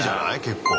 結構。